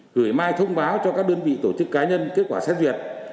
gửi mai thông báo cho các đơn vị tổ chức cá nhân kết quả xét duyệt